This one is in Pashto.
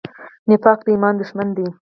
نفاق د ایمان دښمن دی.